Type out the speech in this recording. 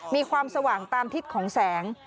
มีความสว่างตามทิศของแสง